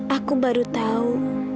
aku baru tahu